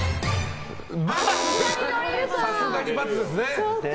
さすがに×ですね。